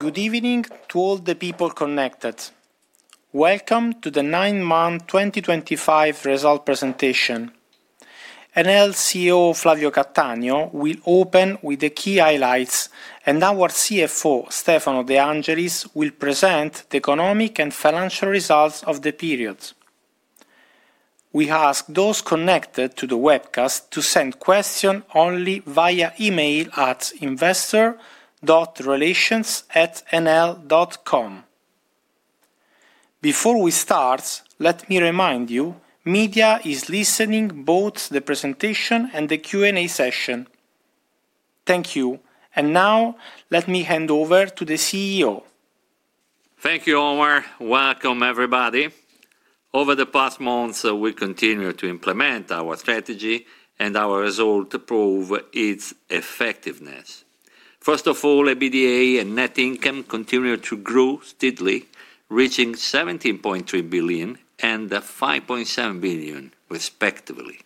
Good evening to all the people connected. Welcome to the 9 Month 2025 result presentation. Enel CEO Flavio Cattaneo will open with the key highlights, and our CFO Stefano De Angelis will present the economic and financial results of the period. We ask those connected to the webcast to send questions only via email at investor.relations@enel.com. Before we start, let me remind you, media is listening to both the presentation and the Q&A session. Thank you. Now, let me hand over to the CEO. Thank you, Omar. Welcome, everybody. Over the past months, we continue to implement our strategy, and our results prove its effectiveness. First of all, EBITDA and net income continue to grow steadily, reaching 17.3 billion and 5.7 billion, respectively.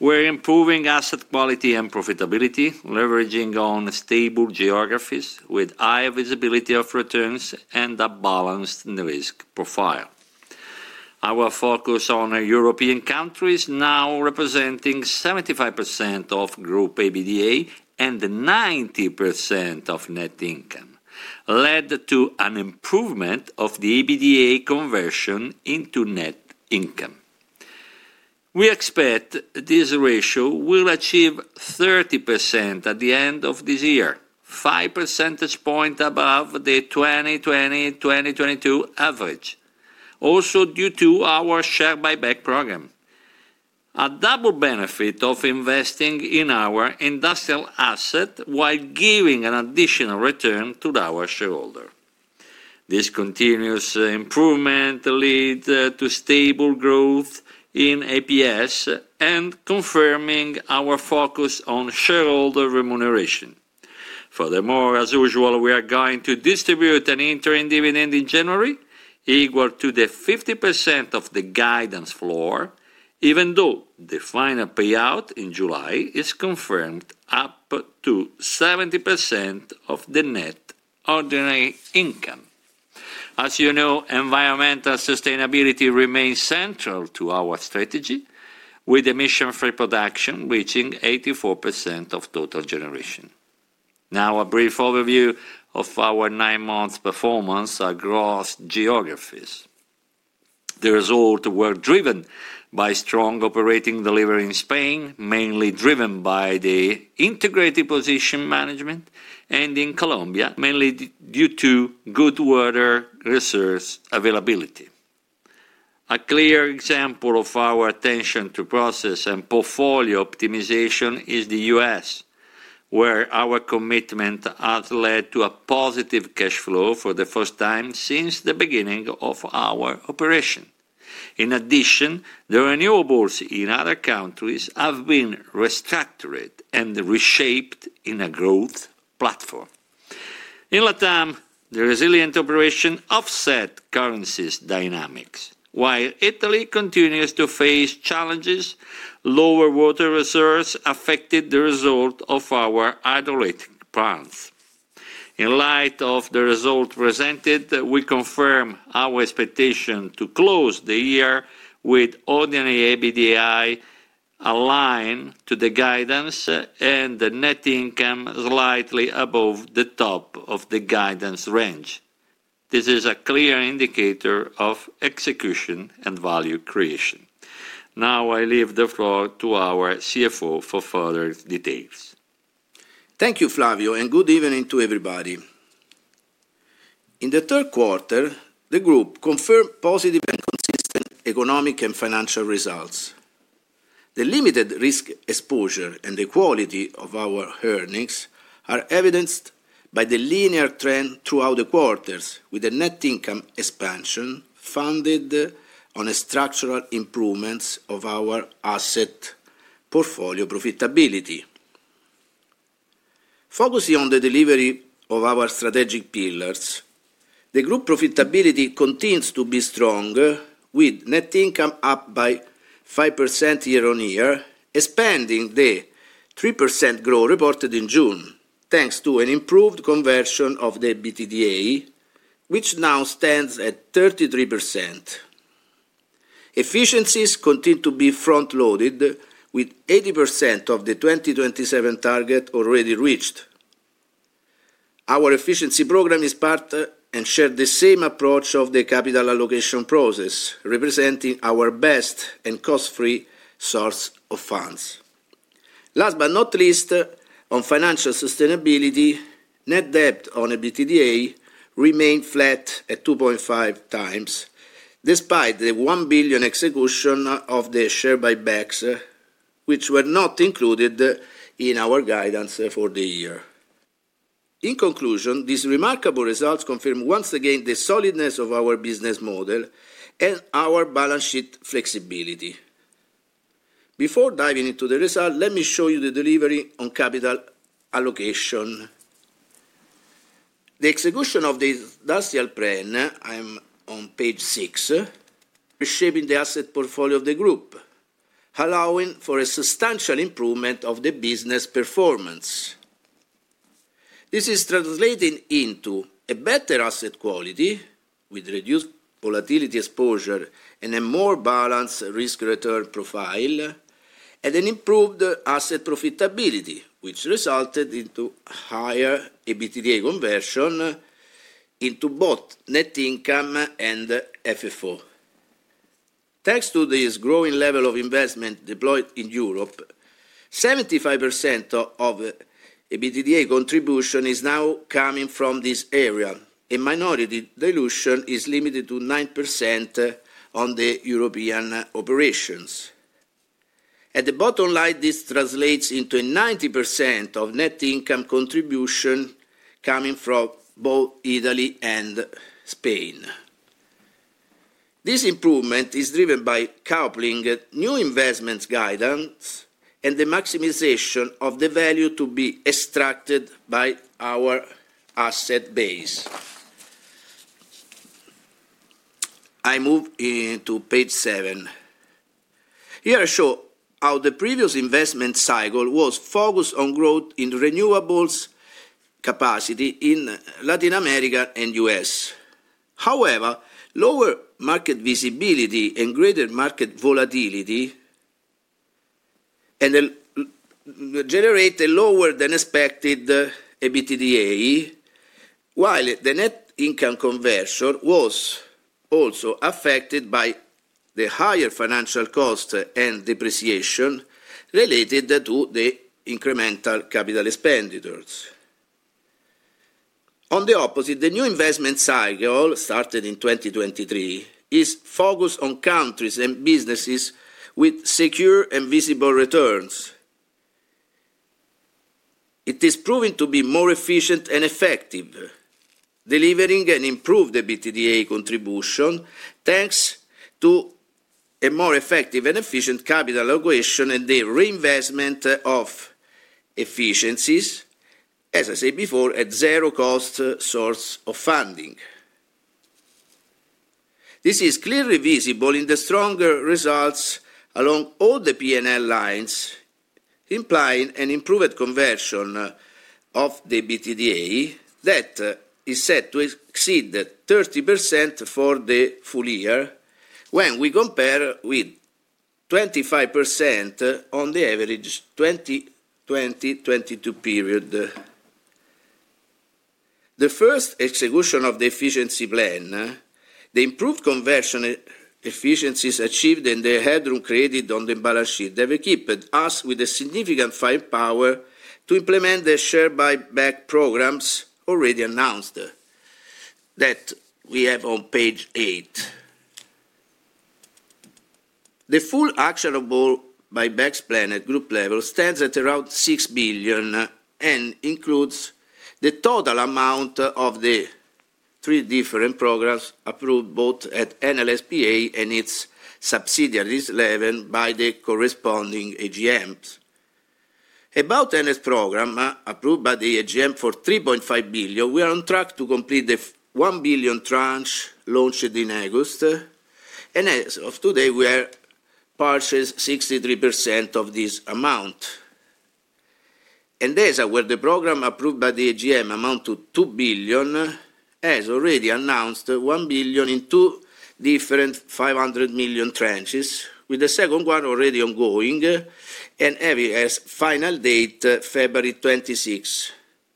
We're improving asset quality and profitability, leveraging on stable geographies with high visibility of returns and a balanced risk profile. Our focus on European countries now represents 75% of Group EBITDA and 90% of net income, led to an improvement of the EBITDA conversion into net income. We expect this ratio will achieve 30% at the end of this year, 5 percentage points above the 2020-2022 average, also due to our share buyback program. A double benefit of investing in our industrial asset while giving an additional return to our shareholders. This continuous improvement leads to stable growth in EPS and confirms our focus on shareholder remuneration. Furthermore, as usual, we are going to distribute an interim dividend in January equal to 50% of the guidance floor, even though the final payout in July is confirmed up to 70% of the net ordinary income. As you know, environmental sustainability remains central to our strategy, with emission-free production reaching 84% of total generation. Now, a brief overview of our 9-month performance across geographies. The results were driven by strong operating delivery in Spain, mainly driven by the integrated position management, and in Colombia, mainly due to good water resource availability. A clear example of our attention to process and portfolio optimization is the U.S., where our commitment has led to a positive cash flow for the first time since the beginning of our operation. In addition, the renewables in other countries have been restructured and reshaped in a growth platform. In LatAm, the resilient operation offsets currency dynamics, while Italy continues to face challenges. Lower water resources affected the result of our hydroelectric plants. In light of the results presented, we confirm our expectation to close the year with ordinary EBITDA aligned to the guidance and net income slightly above the top of the guidance range. This is a clear indicator of execution and value creation. Now, I leave the floor to our CFO for further details. Thank you, Flavio, and good evening to everybody. In the third quarter, the Group confirmed positive and consistent economic and financial results. The limited risk exposure and the quality of our earnings are evidenced by the linear trend throughout the quarters, with the net income expansion founded on structural improvements of our asset portfolio profitability. Focusing on the delivery of our strategic pillars, the Group profitability continues to be strong, with net income up by 5% year-on-year, expanding the 3% growth reported in June, thanks to an improved conversion of the EBITDA, which now stands at 33%. Efficiencies continue to be front-loaded, with 80% of the 2027 target already reached. Our efficiency program is part and shares the same approach of the capital allocation process, representing our best and cost-free source of funds. Last but not least, on financial sustainability, net debt on EBITDA remained flat at 2.5x, despite the 1 billion execution of the share buybacks, which were not included in our guidance for the year. In conclusion, these remarkable results confirm once again the solidness of our business model and our balance sheet flexibility. Before diving into the result, let me show you the delivery on capital allocation. The execution of the industrial plan, I'm on page six, is reshaping the asset portfolio of the Group, allowing for a substantial improvement of the business performance. This is translated into a better asset quality with reduced volatility exposure and a more balanced risk-return profile, and an improved asset profitability, which resulted in higher EBITDA conversion into both net income and FFO. Thanks to this growing level of investment deployed in Europe, 75% of EBITDA contribution is now coming from this area, and minority dilution is limited to 9% on the European operations. At the bottom line, this translates into 90% of net income contribution coming from both Italy and Spain. This improvement is driven by coupling new investment guidance and the maximization of the value to be extracted by our asset base. I move to page seven. Here I show how the previous investment cycle was focused on growth in renewables capacity in Latin America and U.S. However, lower market visibility and greater market volatility generated lower-than-expected EBITDA, while the net income conversion was also affected by the higher financial cost and depreciation related to the incremental capital expenditures. On the opposite, the new investment cycle, started in 2023, is focused on countries and businesses with secure and visible returns. It is proving to be more efficient and effective, delivering an improved EBITDA contribution thanks to a more effective and efficient capital allocation and the reinvestment of efficiencies, as I said before, at zero-cost source of funding. This is clearly visible in the stronger results along all the P&L lines, implying an improved conversion of the EBITDA that is set to exceed 30% for the full year when we compare with 25% on the average 2020-2022 period. The first execution of the efficiency plan, the improved conversion efficiencies achieved in the headroom credit on the balance sheet have equipped us with a significant firepower to implement the share buyback programs already announced that we have on page eight. The full actionable buybacks plan at Group level stands at around 6 billion and includes the total amount of the three different programs approved both at Enel S.p.A. and its subsidiaries level by the corresponding AGMs. About Enel S.p.A. program approved by the AGM for 3.5 billion, we are on track to complete the 1 billion tranche launched in August, and as of today, we are purchasing 63% of this amount. Endesa where the program approved by the AGM amounted to 2 billion, as already announced, 1 billion in two different 500 million tranches, with the second one already ongoing and having as final date February 26.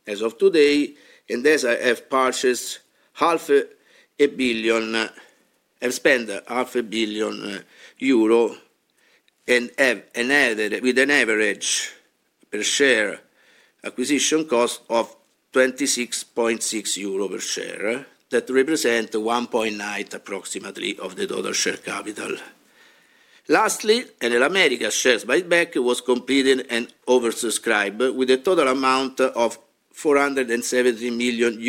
As of today, Endesa has purchased EUR 500 million and spent 500 million euro and has an average per share acquisition cost of 26.6 euro per share that represents approximately 1.9% of the total share capital. Lastly, Enel Americas shares buyback was completed and oversubscribed with a total amount of $470 million.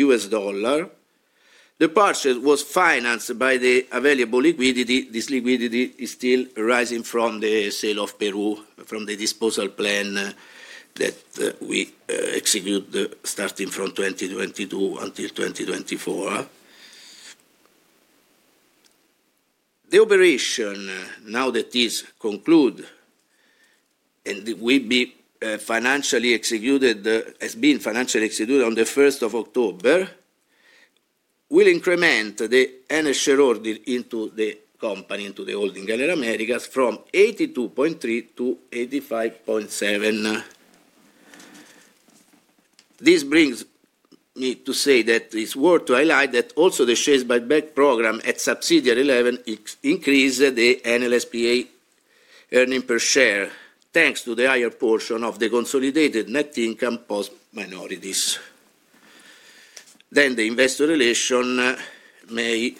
The purchase was financed by the available liquidity. This liquidity is still arising from the sale of Peru from the disposal plan that we executed starting from 2022 until 2024. The operation, now that it is concluded and will be financially executed, has been financially executed on the 1st of October, will increment the Enel shareholder into the company, into the holding Enel Americas from 82.3% to 85.7%. This brings me to say that it's worth to highlight that also the shares buyback program at subsidiary level increased the Enel S.p.A. earning per share thanks to the higher portion of the consolidated net income post minorities. The investor relation may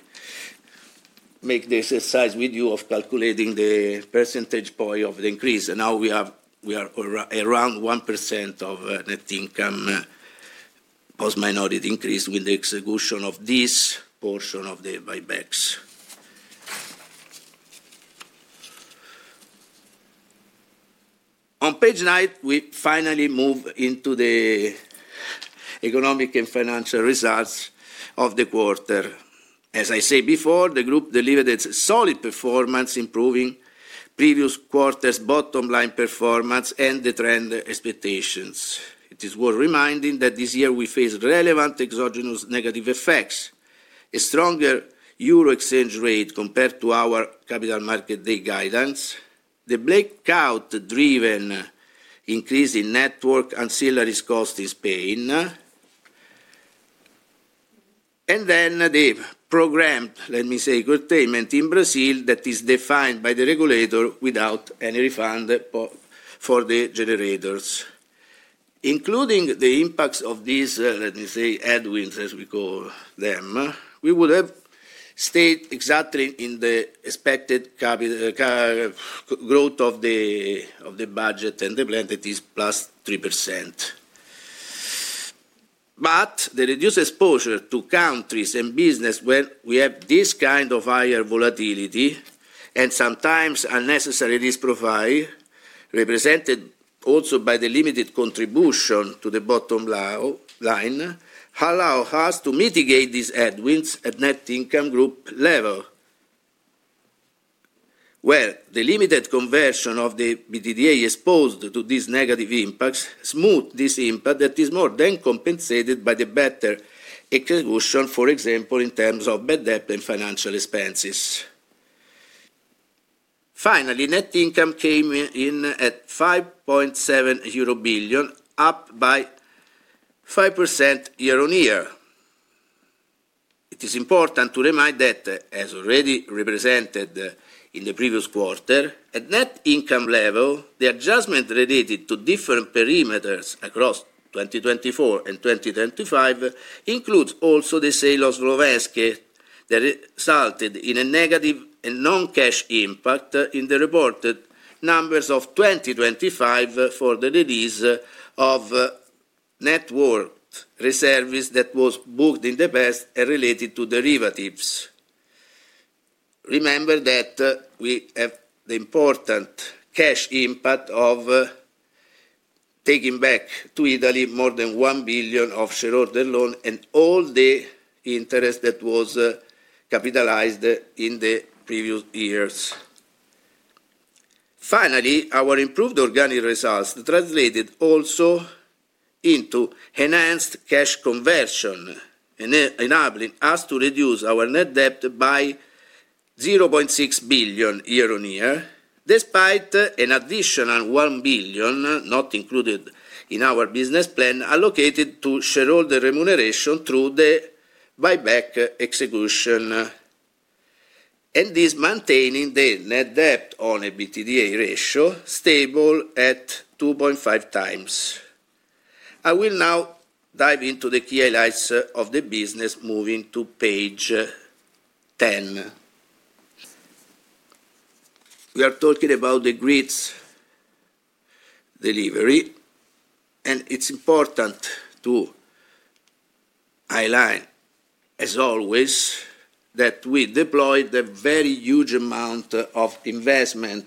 make this exercise with you of calculating the percentage point of the increase. We are now around 1% of net income post minority increase with the execution of this portion of the buybacks. On page nine, we finally move into the economic and financial results of the quarter. As I said before, the Group delivered a solid performance, improving previous quarter's bottom line performance and the trend expectations. It is worth reminding that this year we faced relevant exogenous negative effects, a stronger euro exchange rate compared to our capital market day guidance, the blackout-driven increase in network ancillary cost in Spain, and then the programmed, let me say, curtailment in Brazil that is defined by the regulator without any refund for the generators. Including the impacts of these, let me say, headwinds, as we call them, we would have stayed exactly in the expected growth of the budget and the plan that is plus 3%. The reduced exposure to countries and business when we have this kind of higher volatility and sometimes unnecessary risk profile represented also by the limited contribution to the bottom line, allow us to mitigate these headwinds at net income group level. The limited conversion of the EBITDA exposed to these negative impacts smoothed this impact that is more than compensated by the better execution, for example, in terms of bad debt and financial expenses. Finally, net income came in at 5.7 billion euro, up by 5% year-on-year. It is important to remind that, as already represented in the previous quarter, at net income level, the adjustment related to different perimeters across 2024 and 2025 includes also the sale of Slovenske that resulted in a negative and non-cash impact in the reported numbers of 2025 for the release of net worth reserves that was booked in the past and related to derivatives. Remember that we have the important cash impact of taking back to Italy more than 1 billion of shareholder loan and all the interest that was capitalized in the previous years. Finally, our improved organic results translated also into enhanced cash conversion, enabling us to reduce our net debt by 0.6 billion year-on-year, despite an additional 1 billion not included in our business plan allocated to shareholder remuneration through the buyback execution. This maintained the net debt on EBITDA ratio stable at 2.5x. I will now dive into the key highlights of the business moving to page 10. We are talking about the grids delivery, and it's important to highlight, as always, that we deployed a very huge amount of investment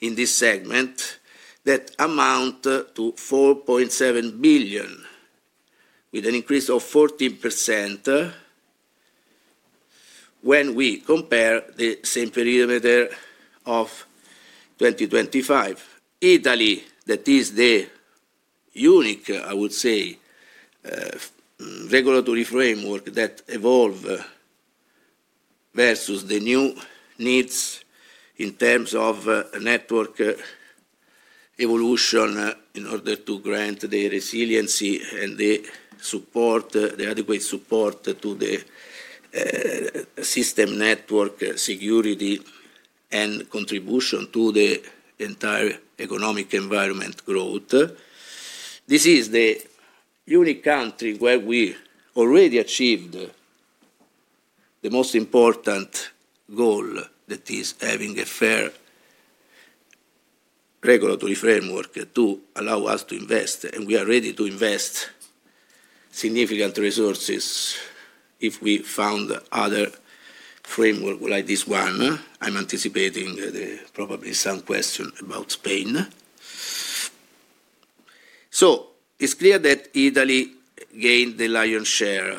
in this segment that amounted to 4.7 billion, with an increase of 14% when we compare the same perimeter of 2025. Italy, that is the unique, I would say, regulatory framework that evolved versus the new needs in terms of network evolution in order to grant the resiliency and the support, the adequate support to the system network security and contribution to the entire economic environment growth. This is the unique country where we already achieved the most important goal that is having a fair regulatory framework to allow us to invest, and we are ready to invest significant resources if we found other framework like this one. I'm anticipating probably some questions about Spain. It's clear that Italy gained the lion's share.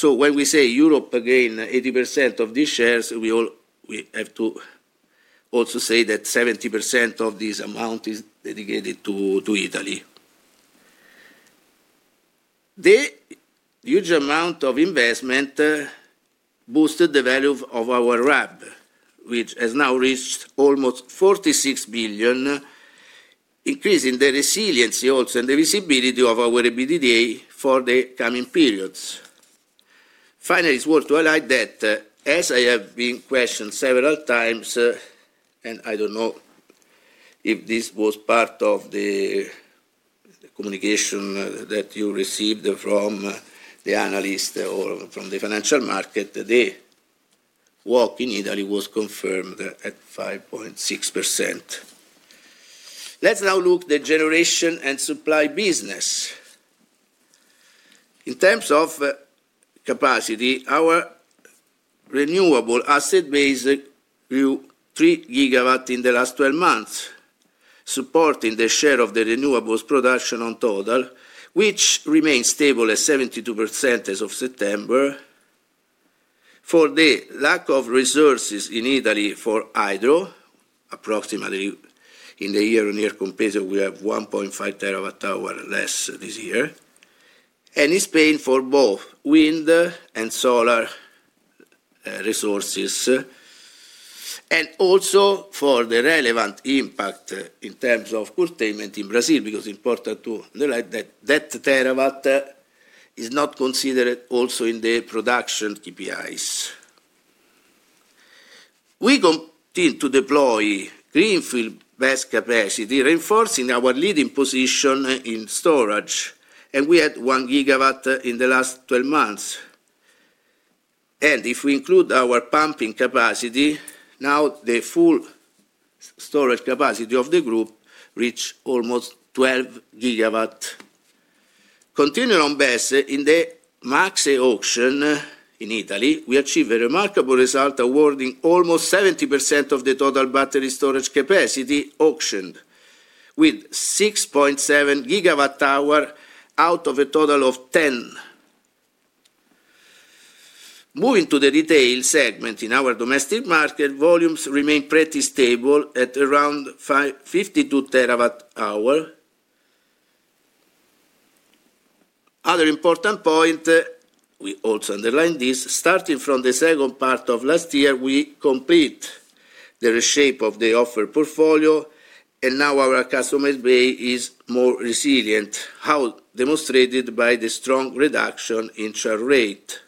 When we say Europe gained 80% of these shares, we have to also say that 70% of this amount is dedicated to Italy. The huge amount of investment boosted the value of our RAB, which has now reached almost 46 billion, increasing the resiliency also and the visibility of our EBITDA for the coming periods. Finally, it's worth to highlight that, as I have been questioned several times, and I don't know if this was part of the communication that you received from the analyst or from the financial market, the walk in Italy was confirmed at 5.6%. Let's now look at the generation and supply business. In terms of capacity, our renewable asset base grew 3 GW in the last 12 months, supporting the share of the renewables production on total, which remained stable at 72% as of September. For the lack of resources in Italy for hydro, approximately in the year-on-year comparison, we have 1.5 TWh less this year. In Spain, for both wind and solar resources. Also, for the relevant impact in terms of curtailment in Brazil, because it is important to underline that that TWh is not considered also in the production KPIs. We continue to deploy greenfield best capacity, reinforcing our leading position in storage, and we had 1 GW in the last 12 months. If we include our pumping capacity, now the full storage capacity of the group reached almost 12 GW. Continuing on BESS in the MACSE auction in Italy, we achieved a remarkable result, awarding almost 70% of the total battery storage capacity auctioned, with 6.7 GWh out of a total of 10. Moving to the retail segment, in our domestic market, volumes remain pretty stable at around 52 TWh. Other important point, we also underline this, starting from the second part of last year, we complete the reshape of the offer portfolio, and now our customer base is more resilient, how demonstrated by the strong reduction in share rate.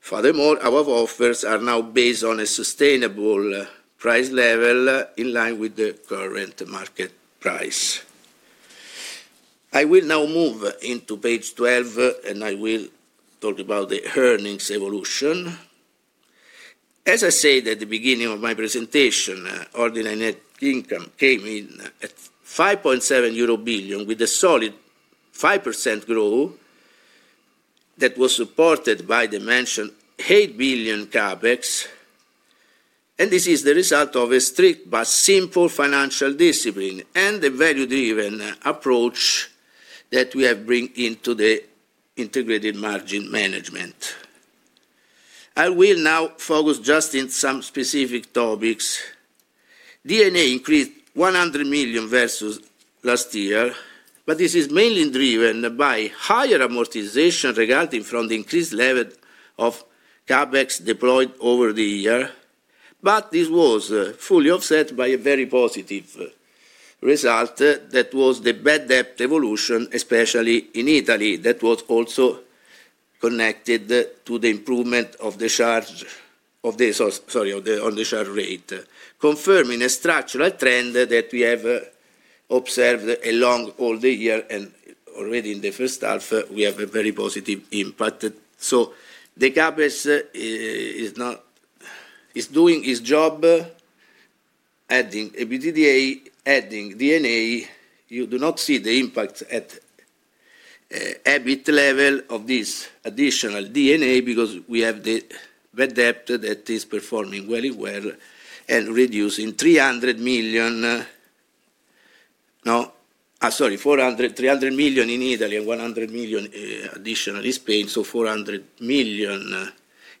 Furthermore, our offers are now based on a sustainable price level in line with the current market price. I will now move into page 12, and I will talk about the earnings evolution. As I said at the beginning of my presentation, ordinary net income came in at 5.7 billion euro, with a solid 5% growth that was supported by the mentioned 8 billion CAPEX. This is the result of a strict but simple financial discipline and the value-driven approach that we have brought into the integrated margin management. I will now focus just on some specific topics. DNA increased 100 million versus last year, but this is mainly driven by higher amortization regarding from the increased level of CAPEX deployed over the year. This was fully offset by a very positive result that was the bad debt evolution, especially in Italy, that was also connected to the improvement of the charge of the, sorry, on the share rate, confirming a structural trend that we have observed along all the year. Already in the first half, we have a very positive impact. The CAPEX is doing its job, adding EBITDA, adding DNA. You do not see the impact at EBIT level of this additional DNA because we have the bad debt that is performing well and reducing 400 million, no, sorry, 300 million in Italy and 100 million additional in Spain. So 400 million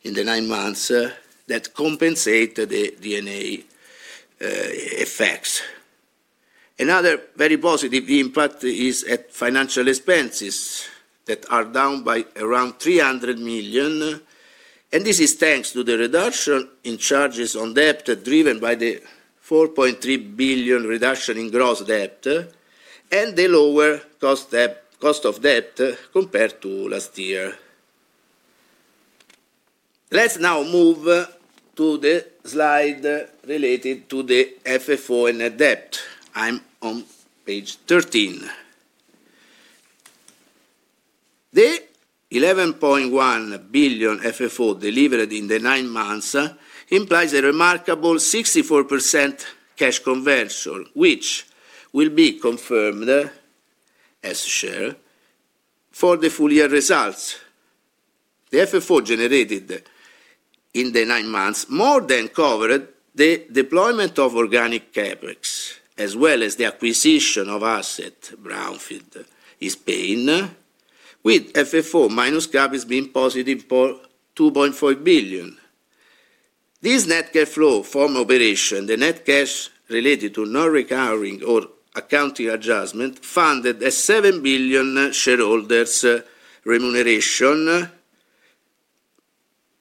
in the nine months that compensate the DNA effects. Another very positive impact is at financial expenses that are down by around 300 million. This is thanks to the reduction in charges on debt driven by the 4.3 billion reduction in gross debt and the lower cost of debt compared to last year. Let's now move to the slide related to the FFO and net debt. I'm on page 13. The 11.1 billion FFO delivered in the nine months implies a remarkable 64% cash conversion, which will be confirmed as such for the full year results. The FFO generated in the nine months more than covered the deployment of organic CAPEX, as well as the acquisition of asset brownfield in Spain, with FFO minus CAPEX being positive for 2.5 billion. This net cash flow from operation, the net cash related to non-recovering or accounting adjustment, funded a 7 billion shareholders' remuneration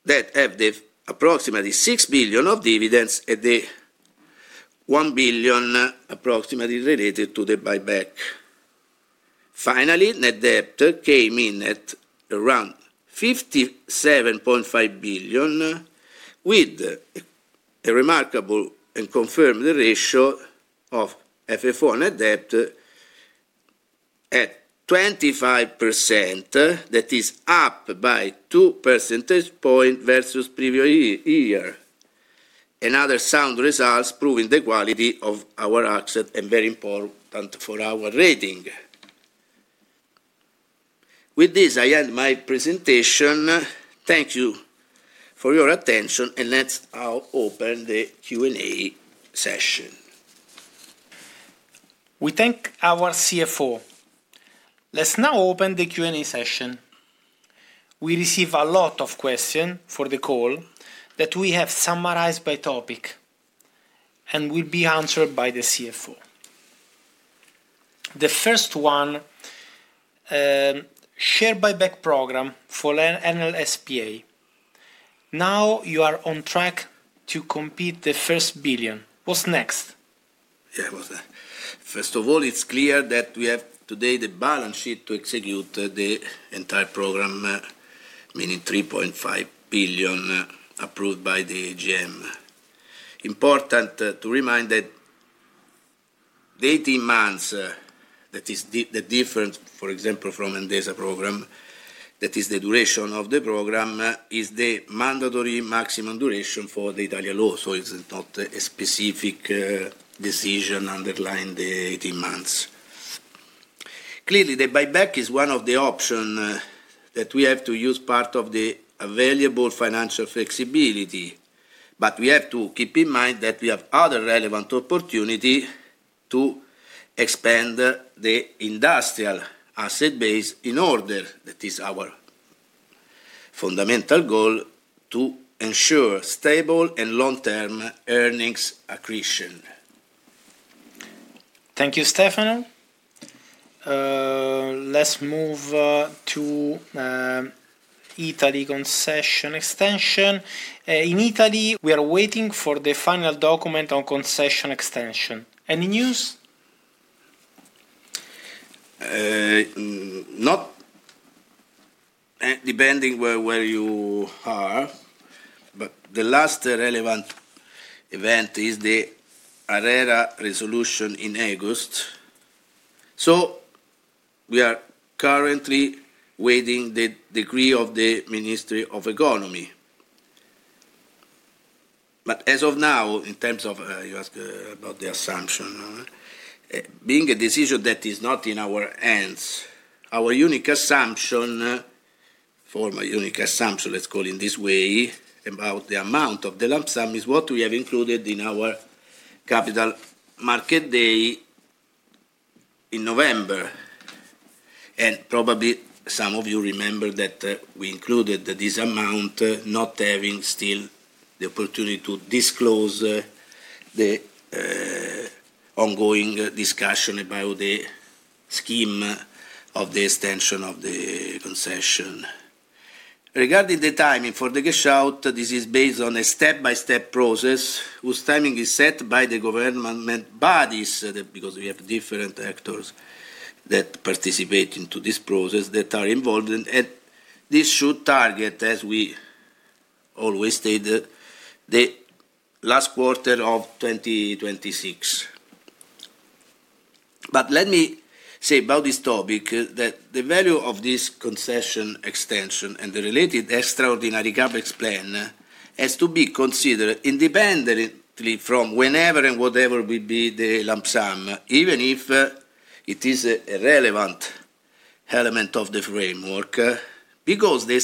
that had the approximately 6 billion of dividends and the 1 billion approximately related to the buyback. Finally, net debt came in at around 57.5 billion, with a remarkable and confirmed ratio of FFO and net debt at 25%, that is up by 2 percentage points versus previous year. Another sound result proving the quality of our asset and very important for our rating. With this, I end my presentation. Thank you for your attention, and let's now open the Q&A session. We thank our CFO. Let's now open the Q&A session. We receive a lot of questions for the call that we have summarized by topic and will be answered by the CFO. The first one, share buyback program for Enel S.p.A. Now you are on track to complete the first billion. What's next? Yeah, what's next? First of all, it's clear that we have today the balance sheet to execute the entire program, meaning 3.5 billion approved by the GM. Important to remind that the 18 months that is the difference, for example, from Endesa program, that is the duration of the program, is the mandatory maximum duration for the Italian law. It is not a specific decision underlying the 18 months. Clearly, the buyback is one of the options that we have to use part of the available financial flexibility. We have to keep in mind that we have other relevant opportunities to expand the industrial asset base in order, that is our fundamental goal, to ensure stable and long-term earnings accretion. Thank you, Stefano. Let's move to Italy concession extension. In Italy, we are waiting for the final document on concession extension. Any news? Not depending where you are, but the last relevant event is the Arera resolution in August. We are currently waiting the decree of the Ministry of Economy. As of now, in terms of, you asked about the assumption, being a decision that is not in our hands, our unique assumption, former unique assumption, let's call it this way, about the amount of the lump sum is what we have included in our capital market day in November. Probably some of you remember that we included this amount, not having still the opportunity to disclose the ongoing discussion about the scheme of the extension of the concession. Regarding the timing for the cash out, this is based on a step-by-step process whose timing is set by the government bodies because we have different actors that participate in this process that are involved. This should target, as we always state, the last quarter of 2026. Let me say about this topic that the value of this concession extension and the related extraordinary CAPEX plan has to be considered independently from whenever and whatever will be the lump sum, even if it is a relevant element of the framework, because the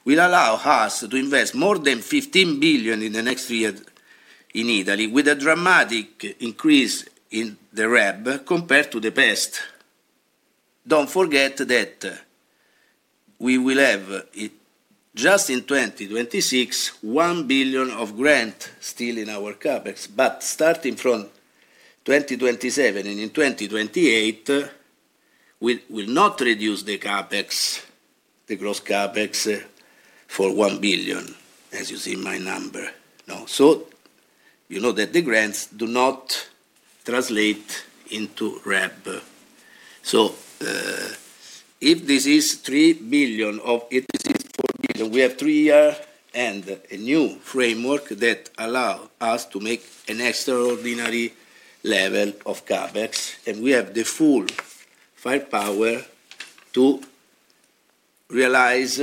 extension and the new and increased CAPEX cap, this is really important, as I have the opportunity to share with some of you, will allow us to invest more than 15 billion in the next year in Italy, with a dramatic increase in the RAB compared to the past. Do not forget that we will have just in 2026, 1 billion of grant still in our CAPEX, but starting from 2027 and in 2028, we will not reduce the CAPEX, the gross CAPEX for 1 billion, as you see in my number. You know that the grants do not translate into RAB. If this is 3 billion. This is 4 billion. We have three years and a new framework that allows us to make an extraordinary level of CAPEX. We have the full firepower to realize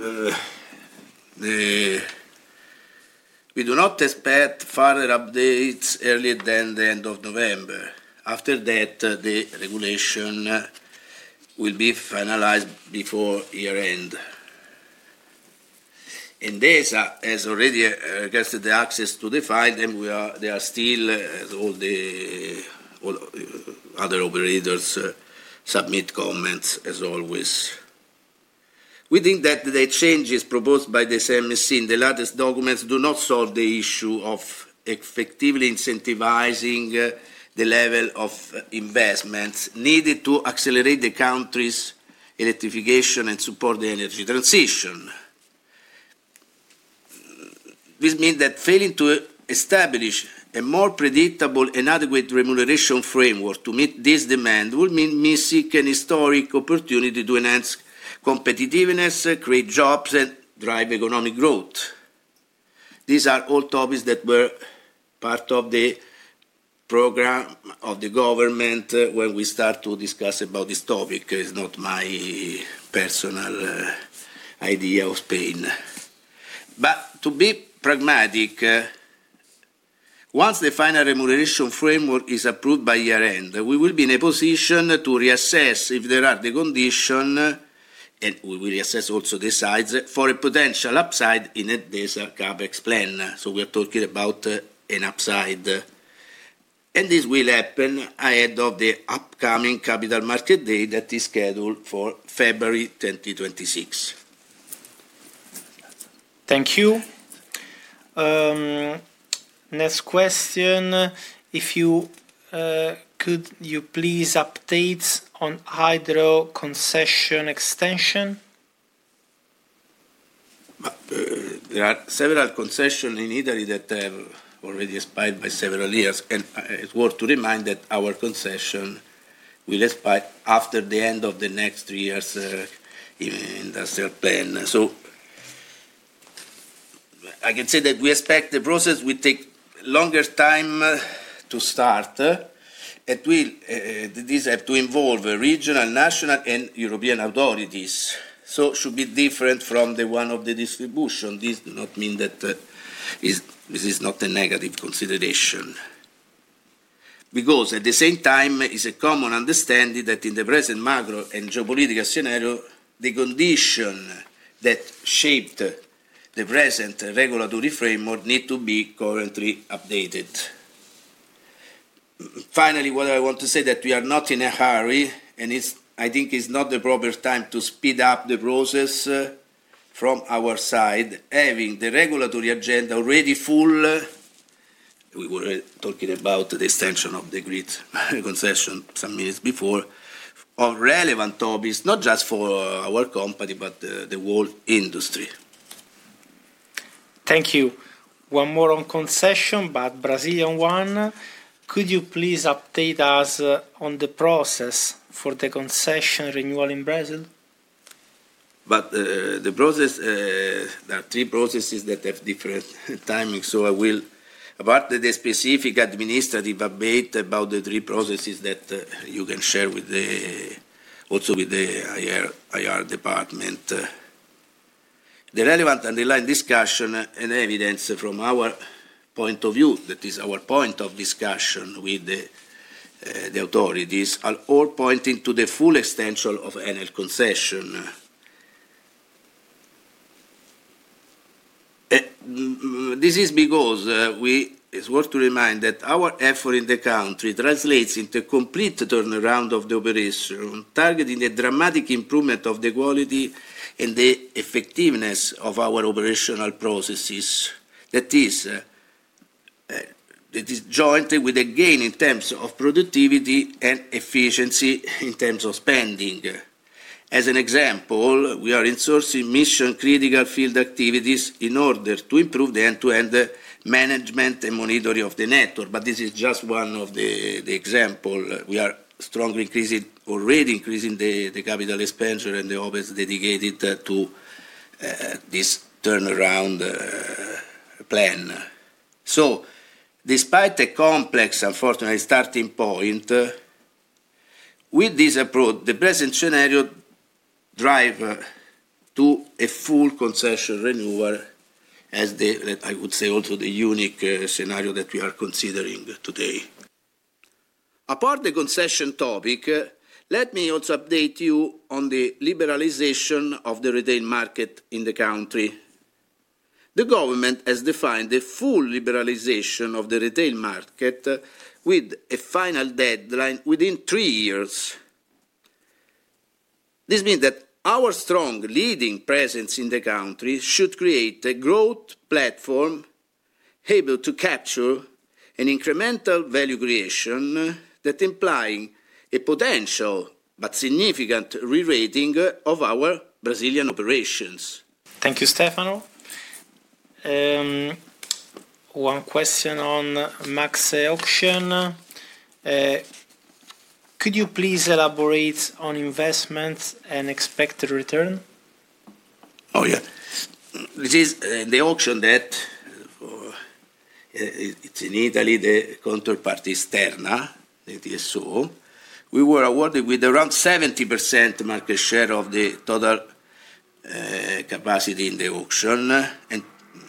a very significant upside in the CAPEX that we will transform into RAB. Thank you, Stefano. Let's move to Spain. Can you please update us on the latest news on regulation in Spain? What's your view? We do not expect further updates earlier than the end of November. After that, the regulation will be finalized before year-end. Endesa has already requested access to the file, and they are still, as all the other operators, submitting comments as always. We think that the changes proposed by the CNMC in the latest documents do not solve the issue of effectively incentivizing the level of investments needed to accelerate the country's electrification and support the energy transition. This means that failing to establish a more predictable and adequate remuneration framework to meet this demand will mean missing a historic opportunity to enhance competitiveness, create jobs, and drive economic growth. These are all topics that were part of the program of the government when we started to discuss about this topic. It's not my personal idea of Spain. To be pragmatic, once the final remuneration framework is approved by year-end, we will be in a position to reassess if there are the conditions, and we will reassess also the sides for a potential upside in CAPEX plan. We are talking about an upside. This will happen ahead of the upcoming capital market day that is scheduled for February 2026. Thank you. Next question. If you could, could you please update on hydro concession extension. There are several concessions in Italy that have already expired by several years. It is worth to remind that our concession will expire after the end of the next three years in the industrial plan. I can say that we expect the process will take longer time to start. These have to involve regional, national, and European authorities. It should be different from the one of the distribution. This does not mean that this is not a negative consideration. At the same time, it is a common understanding that in the present macro and geopolitical scenario, the conditions that shaped the present regulatory framework need to be currently updated. Finally, what I want to say is that we are not in a hurry, and I think it's not the proper time to speed up the process from our side, having the regulatory agenda already full. We were talking about the extension of the grid concession some minutes before. On relevant topics, not just for our company, but the world industry. Thank you. One more on concession, but Brazilian one. Could you please update us on the process for the concession renewal in Brazil? The process, there are three processes that have different timing. I will, apart from the specific administrative update about the three processes that you can share also with the IR department, the relevant underlying discussion and evidence from our point of view, that is our point of discussion with the authorities, are all pointing to the full extension of Enel concession. This is because it's worth to remind that our effort in the country translates into a complete turnaround of the operation, targeting a dramatic improvement of the quality and the effectiveness of our operational processes. That is, it is joint with a gain in terms of productivity and efficiency in terms of spending. As an example, we are insourcing mission-critical field activities in order to improve the end-to-end management and monitoring of the network. This is just one of the examples. We are strongly increasing, already increasing the capital expenditure and the office dedicated to this turnaround plan. Despite the complex, unfortunately, starting point, with this approach, the present scenario drives to a full concession renewal, as I would say also the unique scenario that we are considering today. Apart from the concession topic, let me also update you on the liberalization of the retail market in the country. The government has defined a full liberalization of the retail market with a final deadline within three years. This means that our strong leading presence in the country should create a growth platform able to capture an incremental value creation that implies a potential but significant rerating of our Brazilian operations. Thank you, Stefano. One question on Max auction. Could you please elaborate on investment and expected return? Oh, yeah. This is the auction that it's in Italy, the counterpart is Terna, that is so. We were awarded with around 70% market share of the total capacity in the auction.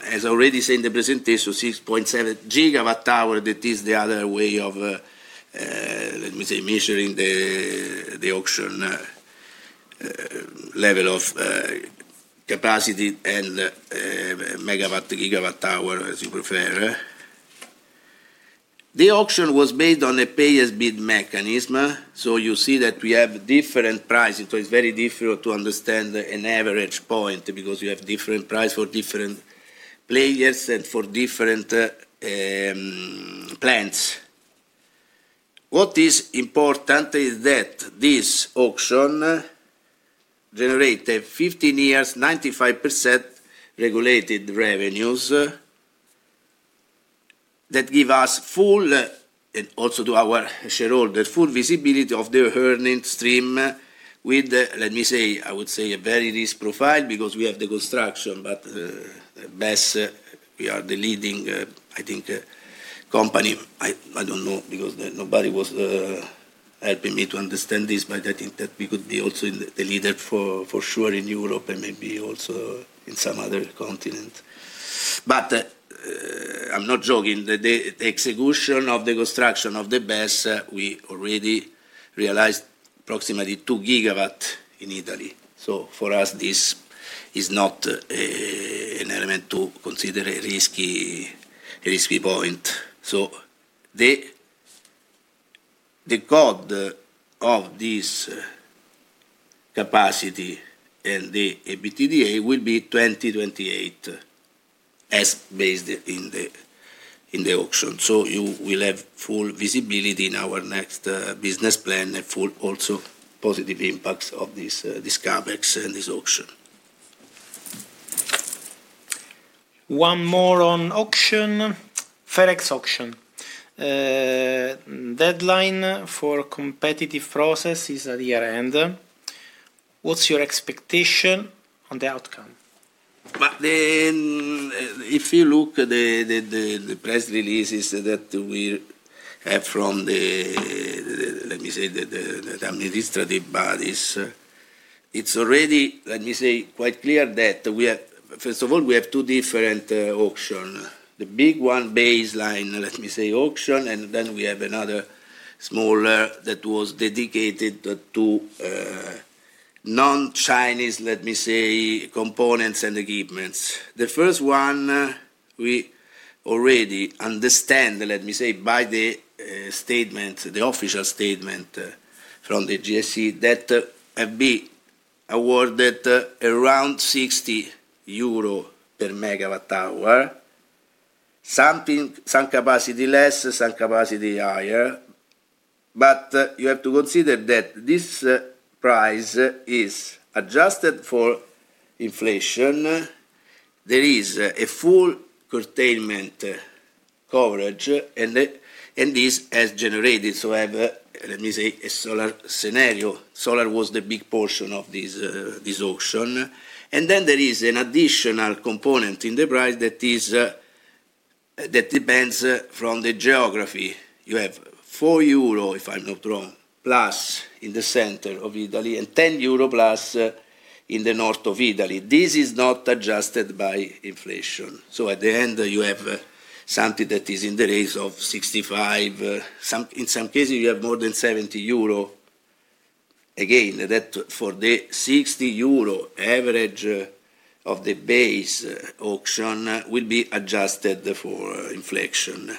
As I already said in the presentation, 6.7 GWh, that is the other way of, let me say, measuring the auction level of capacity in megawatt, gigawatt hour, as you prefer. The auction was based on a pay-as-build mechanism. You see that we have different prices. It is very difficult to understand an average point because you have different prices for different players and for different plans. What is important is that this auction generated 15 years, 95% regulated revenues that give us full, and also to our shareholders, full visibility of their earnings stream with, let me say, I would say a very risk profile because we have the construction, but best, we are the leading, I think, company. I don't know because nobody was helping me to understand this, but I think that we could be also the leader for sure in Europe and maybe also in some other continent. I'm not joking. The execution of the construction of the best, we already realized approximately 2 GW in Italy. For us, this is not an element to consider a risky point. The code of this capacity and the EBITDA will be 2028 as based in the auction. You will have full visibility in our next business plan and full also positive impacts of this CAPEX and this auction. One more on auction, FedEx auction. Deadline for competitive process is at year-end. What's your expectation on the outcome? If you look at the press releases that we have from the, let me say, the administrative bodies, it's already, let me say, quite clear that we have, first of all, two different auctions. The big one, baseline, let me say, auction, and then we have another smaller that was dedicated to non-Chinese, let me say, components and equipment. The first one, we already understand, let me say, by the statement, the official statement from the GSE, that have been awarded around EUR 60 per MWh, some capacity less, some capacity higher. You have to consider that this price is adjusted for inflation. There is a full curtailment coverage, and this has generated, so I have, let me say, a solar scenario. Solar was the big portion of this auction. There is an additional component in the price that depends from the geography. You have 4 euro, if I'm not wrong, plus in the center of Italy, and 10 euro plus in the north of Italy. This is not adjusted by inflation. At the end, you have something that is in the range of 65. In some cases, you have more than 70 euro. Again, that for the 60 euro average of the base auction will be adjusted for inflation.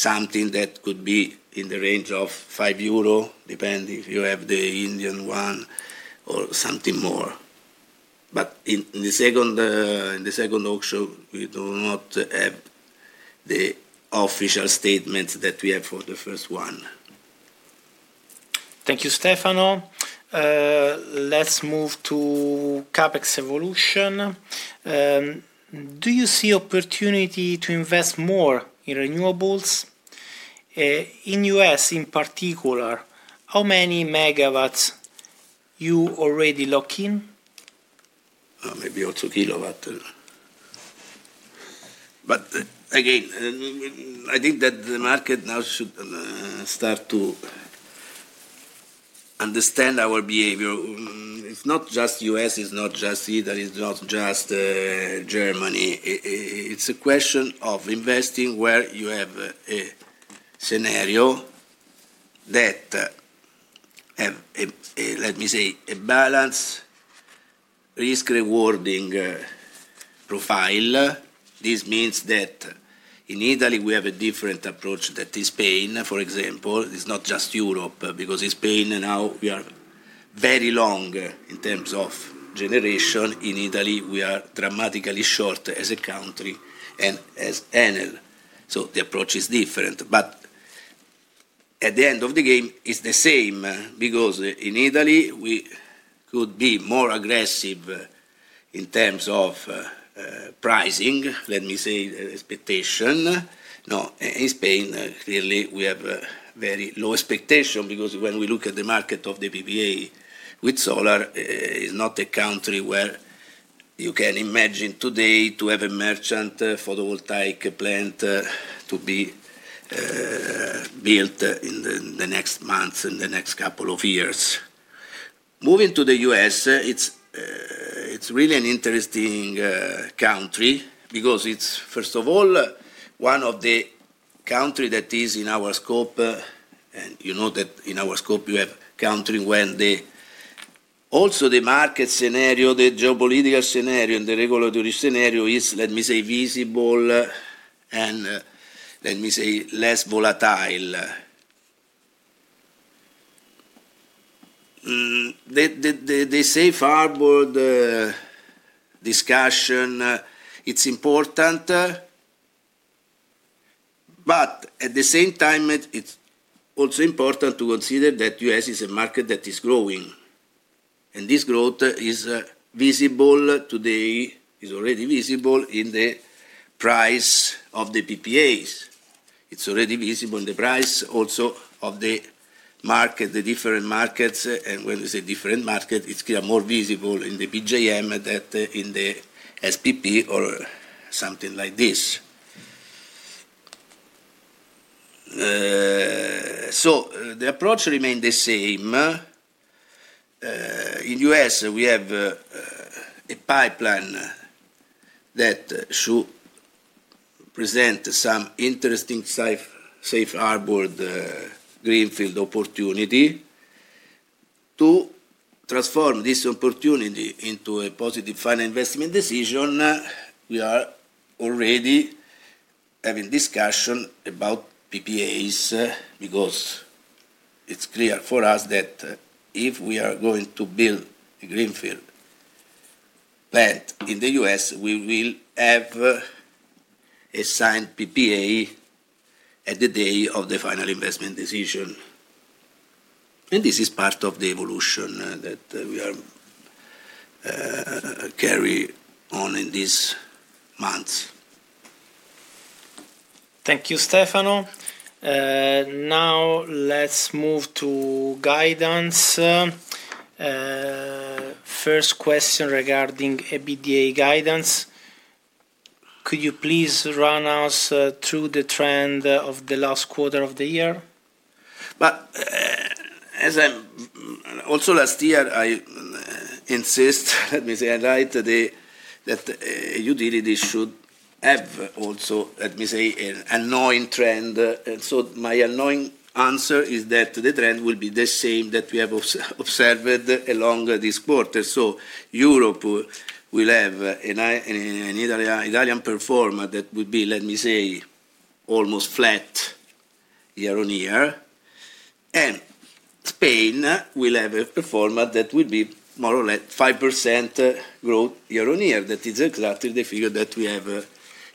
In the other auction, we do not have any statement. We have to expect a price that reflects the spread of the market price against the Chinese prices, something that could be in the range of EUR 5, depending if you have the Indian one or something more. In the second auction, we do not have the official statement that we have for the first one. Thank you, Stefano. Let's move to CAPEX evolution. Do you see opportunity to invest more in renewables? In the U.S., in particular, how many megawatts are you already locking? Maybe also kilowatts. Again, I think that the market now should start to understand our behavior. It's not just the U.S., it's not just Italy, it's not just Germany. It's a question of investing where you have a scenario that has, let me say, a balanced risk-rewarding profile. This means that in Italy, we have a different approach than in Spain, for example. It's not just Europe because in Spain, now we are very long in terms of generation. In Italy, we are dramatically short as a country and as Enel. The approach is different. At the end of the game, it's the same because in Italy, we could be more aggressive in terms of pricing, let me say, expectation. No, in Spain, clearly, we have very low expectations because when we look at the market of the PPA with solar, it's not a country where you can imagine today to have a merchant photovoltaic plant to be built in the next months and the next couple of years. Moving to the U.S., it's really an interesting country because it's, first of all, one of the countries that is in our scope. And you know that in our scope, you have countries when also the market scenario, the geopolitical scenario, and the regulatory scenario is, let me say, visible and, let me say, less volatile. The safe harbor discussion, it's important. At the same time, it's also important to consider that the U.S. is a market that is growing. And this growth is visible today, is already visible in the price of the PPAs. It's already visible in the price also of the market, the different markets. When we say different markets, it's more visible in the PJM than in the SPP or something like this. The approach remains the same. In the U.S., we have a pipeline that should present some interesting safe harbor, greenfield opportunity. To transform this opportunity into a positive final investment decision, we are already having discussions about PPAs because it's clear for us that if we are going to build a greenfield plant in the U.S., we will have a signed PPA at the day of the final investment decision. This is part of the evolution that we are carrying on in these months. Thank you, Stefano. Now let's move to guidance. First question regarding EBITDA guidance. Could you please run us through the trend of the last quarter of the year? Also, last year, I insist, let me say, I lied today that utilities should have also, let me say, an annoying trend. My annoying answer is that the trend will be the same that we have observed along this quarter. Europe will have an Italian performance that would be, let me say, almost flat year-on-year. Spain will have a performance that would be more or less 5% growth year-on-year. That is exactly the figure that we have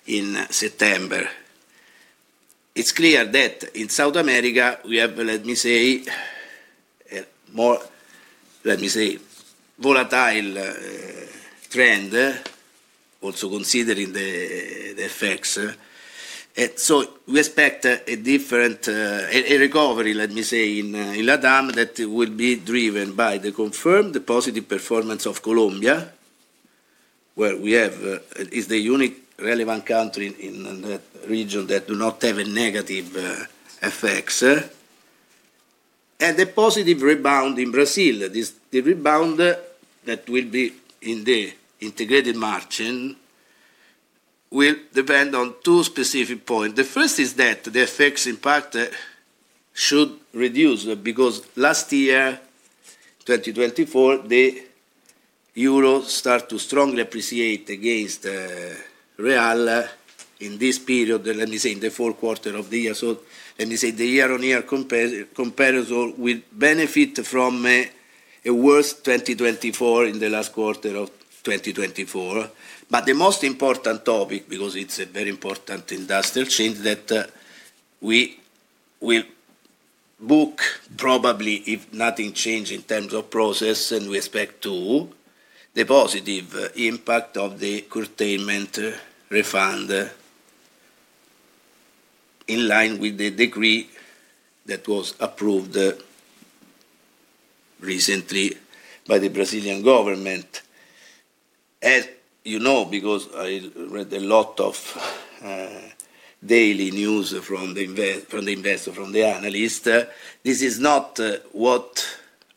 in September. It is clear that in South America, we have, let me say, a more, let me say, volatile trend, also considering the effects. We expect a different recovery, let me say, in LatAm that will be driven by the confirmed positive performance of Colombia, where we have is the unique relevant country in the region that does not have a negative effect. A positive rebound in Brazil. The rebound that will be in the integrated margin will depend on two specific points. The first is that the effects impact should reduce because last year, 2024, the euro started to strongly appreciate against real in this period, let me say, in the fourth quarter of the year. Let me say the year-on-year comparison will benefit from a worse 2024 in the last quarter of 2024. The most important topic, because it's a very important industrial change, is that we will book probably, if nothing changes in terms of process, and we expect the positive impact of the curtailment refund in line with the decree that was approved recently by the Brazilian government. As you know, because I read a lot of daily news from the investor, from the analyst, this is not what I would say you were expecting because we were expecting this. It's very difficult to expect that the excess of capacity is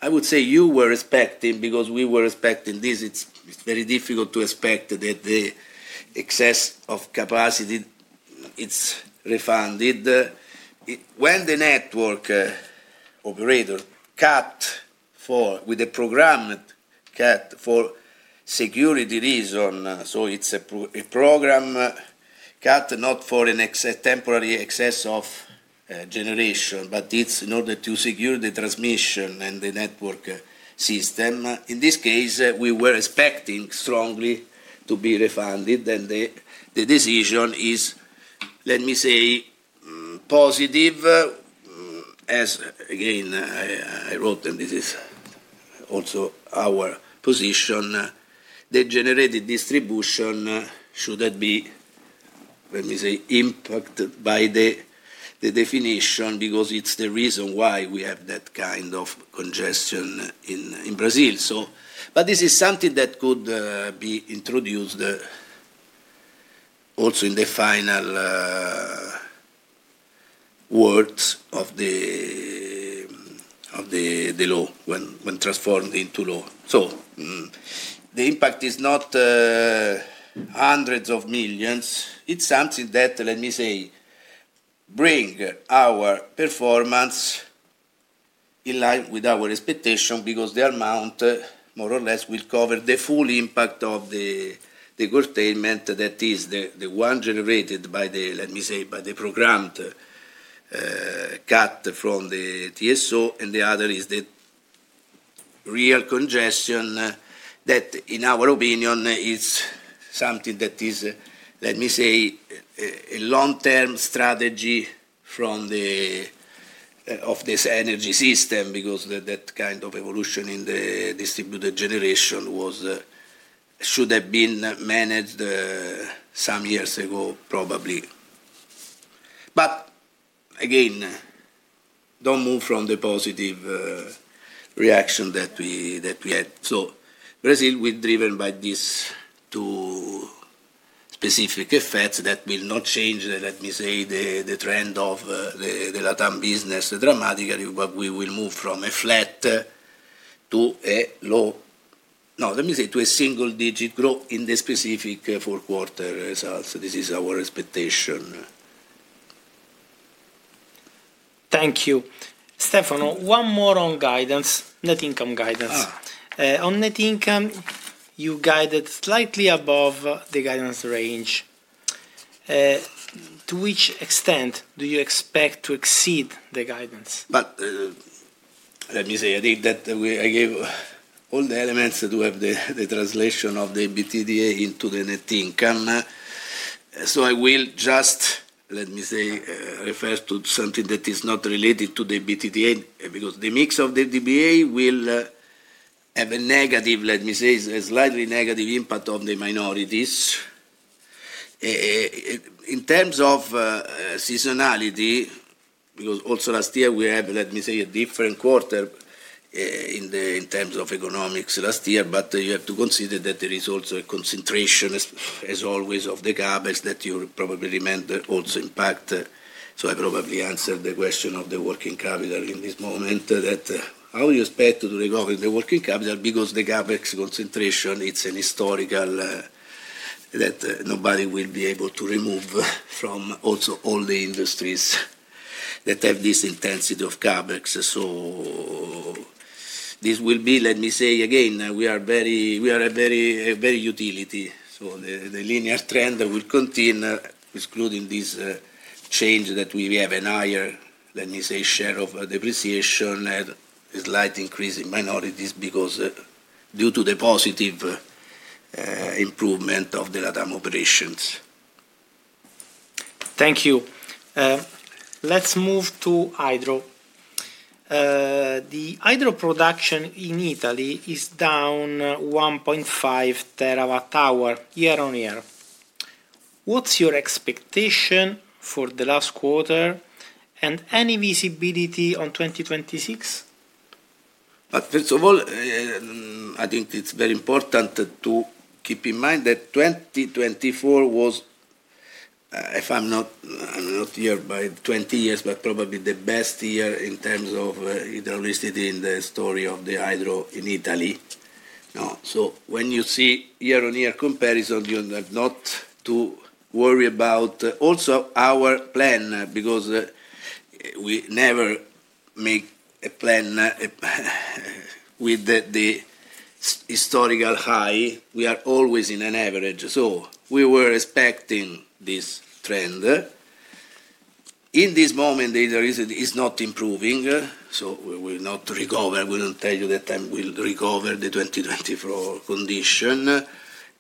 refunded. When the network operator cut for with a program cut for security reasons, it is a program cut not for a temporary excess of generation, but it is in order to secure the transmission and the network system. In this case, we were expecting strongly to be refunded. The decision is, let me say, positive. As again, I wrote, and this is also our position, the generated distribution shouldn't be, let me say, impacted by the definition because it's the reason why we have that kind of congestion in Brazil. This is something that could be introduced also in the final words of the law when transformed into law. The impact is not hundreds of millions. It is something that, let me say, brings our performance in line with our expectation because the amount more or less will cover the full impact of the curtailment that is the one generated by the, let me say, by the programmed cut from the TSO. The other is the real congestion that, in our opinion, is something that is, let me say, a long-term strategy of this energy system because that kind of evolution in the distributed generation should have been managed some years ago probably. Again, do not move from the positive reaction that we had. Brazil will be driven by these two specific effects that will not change, how do you expect to recover the working capital because the CAPEX concentration, it's a historical that nobody will be able to remove from also all the industries that have this intensity of CAPEX. This will be, let me say, again, we are a very utility. The linear trend will continue, excluding this change that we have a higher, let me say, share of depreciation and a slight increase in minorities due to the positive improvement of the LatAm operations. Thank you. Let's move to hydro. The hydro production in Italy is down 1.5TWh year-on-year. What's your expectation for the last quarter and any visibility on 2026? First of all, I think it's very important to keep in mind that 2024 was, if I'm not here by 20 years, but probably the best year in terms of hydro electricity in the story of the hydro in Italy. When you see year-on-year comparison, you have not to worry about also our plan because we never make a plan with the historical high. We are always in an average. We were expecting this trend. In this moment, the hydro electricity is not improving. We will not recover. We will tell you that time we'll recover the 2024 condition.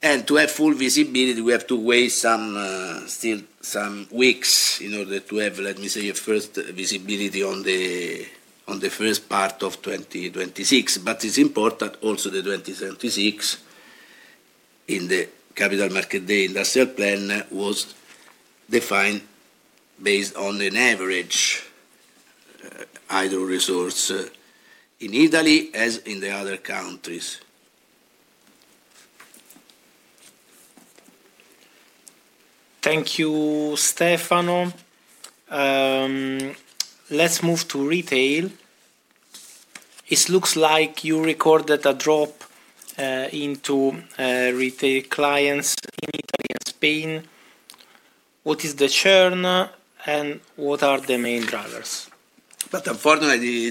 To have full visibility, we have to wait still some weeks in order to have, let me say, a first visibility on the first part of 2026. It is important also that 2026, in the Capital Market Day Industrial Plan, was defined based on an average hydro resource in Italy as in the other countries. Thank you, Stefano. Let's move to retail. It looks like you recorded a drop in retail clients in Italy and Spain. What is the churn and what are the main drivers? Unfortunately,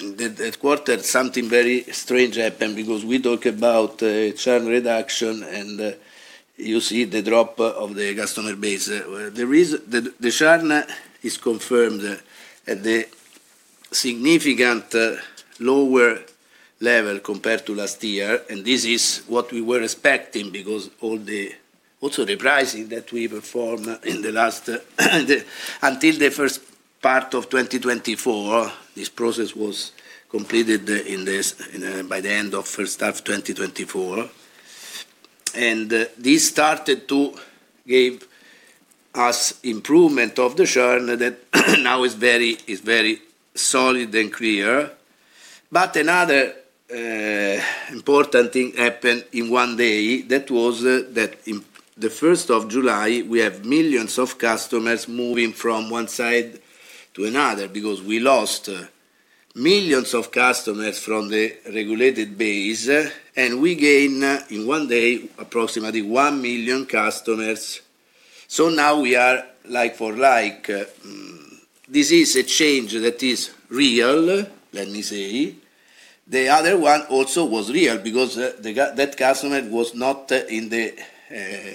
that quarter, something very strange happened because we talk about churn reduction and you see the drop of the customer base. The churn is confirmed at a significantly lower level compared to last year. This is what we were expecting because also the pricing that we performed in the last until the first part of 2024, this process was completed by the end of first half of 2024. This started to give us improvement of the churn that now is very solid and clear. Another important thing happened in one day that was that the 1st of July, we have millions of customers moving from one side to another because we lost millions of customers from the regulated base. We gained in one day approximately 1 million customers. Now we are like for like. This is a change that is real, let me say. The other one also was real because that customer was not in the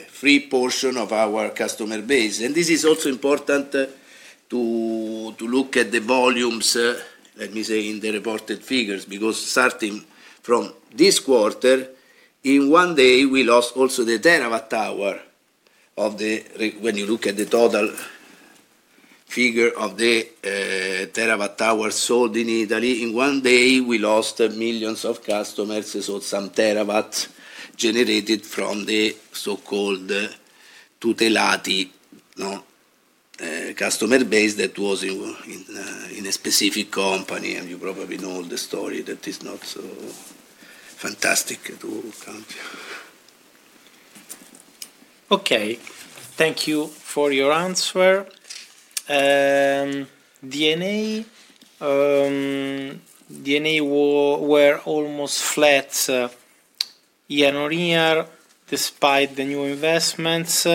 free portion of our customer base. This is also important to look at the volumes, let me say, in the reported figures because starting from this quarter, in one day, we lost also the terawatt hour of the, when you look at the total figure of the terawatt hour sold in Italy, in one day, we lost millions of customers. Some terawatts generated from the so-called TutelaTi customer base that was in a specific company. You probably know the story that is not so fantastic to count. Okay. Thank you for your answer. DNA. DNA were almost flat year-on-year despite the new investments.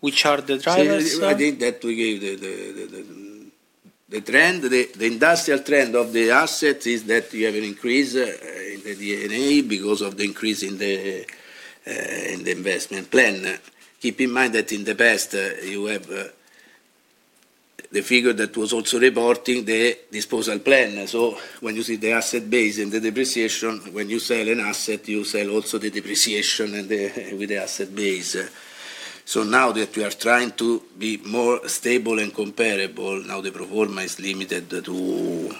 Which are the drivers? I think that we gave the trend, the industrial trend of the assets is that you have an increase in the DNA because of the increase in the investment plan. Keep in mind that in the past, you have the figure that was also reporting the disposal plan. When you see the asset base and the depreciation, when you sell an asset, you sell also the depreciation with the asset base. Now that we are trying to be more stable and comparable, the performance is limited to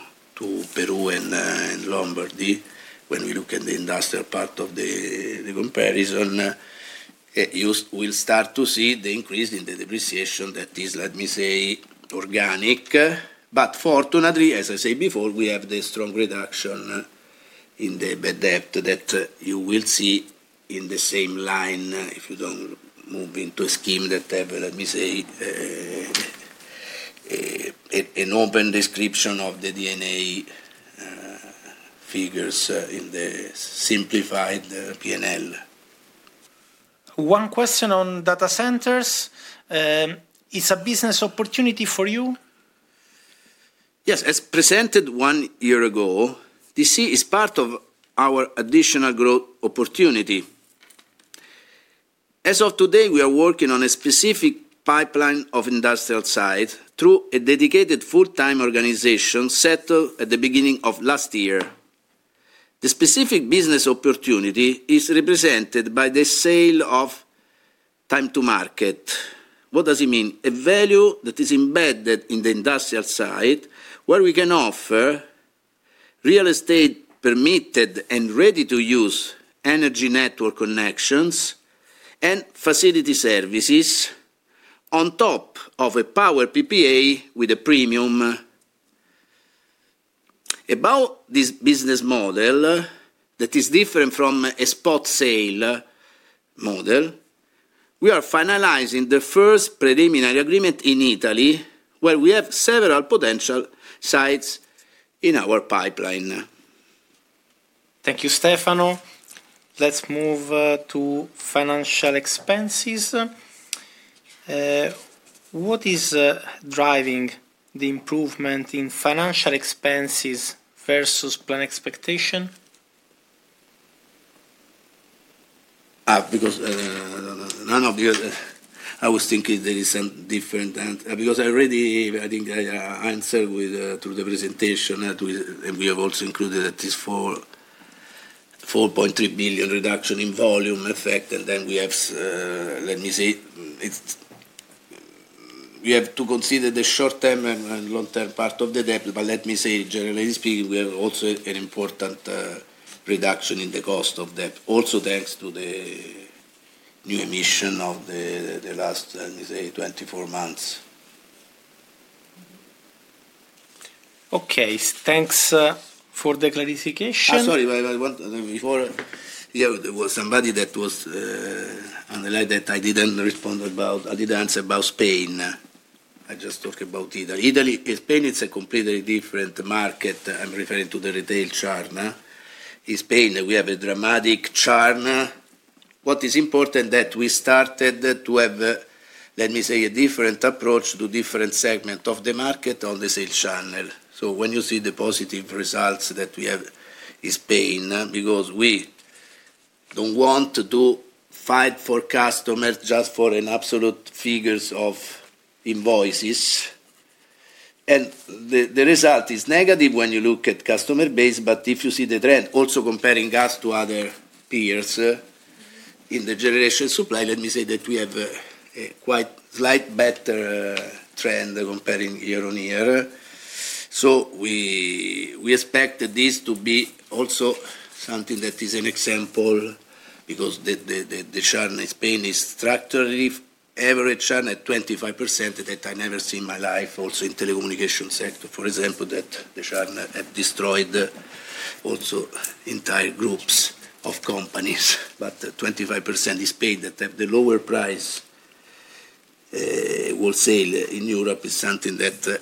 Peru and Lombardy. When we look at the industrial part of the comparison, you will start to see the increase in the depreciation that is, let me say, organic. Fortunately, as I said before, we have the strong reduction in the net debt that you will see in the same line if you do not move into a scheme that has, let me say, an open description of the DNA figures in the simplified P&L. One question on data centers. Is it a business opportunity for you? Yes. As presented one year ago, this is part of our additional growth opportunity. As of today, we are working on a specific pipeline of industrial site through a dedicated full-time organization set at the beginning of last year. The specific business opportunity is represented by the sale of time-to-market. What does it mean? A value that is embedded in the industrial site where we can offer real estate permitted and ready-to-use energy network connections and facility services on top of a power PPA with a premium. About this business model that is different from a spot sale model, we are finalizing the first preliminary agreement in Italy where we have several potential sites in our pipeline. Thank you, Stefano. Let's move to financial expenses. What is driving the improvement in financial expenses versus planned expectation? Because none of you, I was thinking there is some different because I already, I think, answered through the presentation that we have also included that it is 4.3 billion reduction in volume effect. Then we have, let me say, we have to consider the short-term and long-term part of the debt. Let me say, generally speaking, we have also an important reduction in the cost of debt, also thanks to the new emission of the last, let me say, 24 months. Okay. Thanks for the clarification. Sorry, before there was somebody that was underlined that I did not respond about, I did not answer about Spain. I just talked about Italy. Italy, Spain, it is a completely different market. I am referring to the retail churn. In Spain, we have a dramatic churn. What is important is that we started to have, let me say, a different approach to different segments of the market on the sales channel. When you see the positive results that we have in Spain, because we do not want to fight for customers just for absolute figures of invoices. The result is negative when you look at customer base, but if you see the trend, also comparing us to other peers in the generation supply, let me say that we have a quite slight better trend comparing year-on-year. We expect this to be also something that is an example because the churn in Spain is structurally average churn at 25% that I have never seen in my life, also in the telecommunication sector. For example, the churn had destroyed also entire groups of companies. But 25% is paid that have the lower price will sell in Europe is something that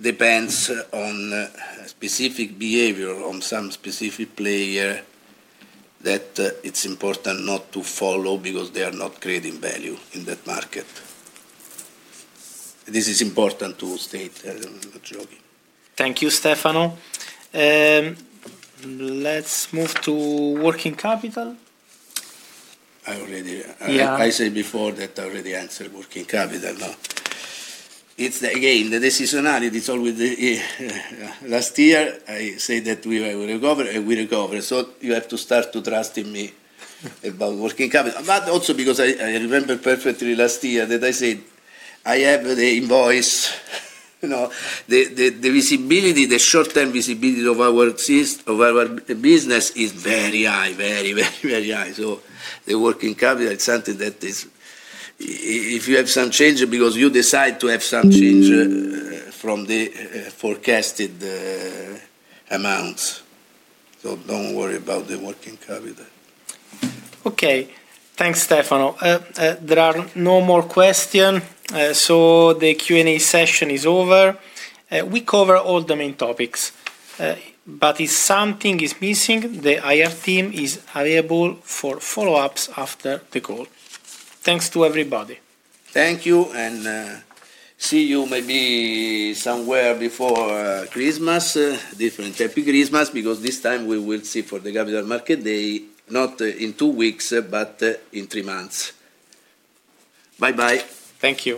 depends on specific behavior on some specific player that it's important not to follow because they are not creating value in that market. This is important to state. Thank you, Stefano. Let's move to working capital. I already, I said before that I already answered working capital. Again, the seasonality, it's always last year, I say that we recover, and we recover. You have to start to trust in me about working capital. Also because I remember perfectly last year that I said I have the invoice. The visibility, the short-term visibility of our business is very high, very, very, very high. The working capital is something that is, if you have some change because you decide to have some change from the forecasted amounts. Don't worry about the working capital. Okay. Thanks, Stefano. There are no more questions. The Q&A session is over. We covered all the main topics. If something is missing, the IR team is available for follow-ups after the call. Thanks to everybody. Thank you. See you maybe somewhere before Christmas, different happy Christmas because this time we will see for the capital market day, not in two weeks, but in three months. Bye-bye. Thank you.